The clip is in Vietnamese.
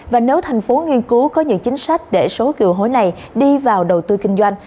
và nếu thành phố nghiên cứu có những chính sách để số kiều hối này đi vào đầu tư kinh doanh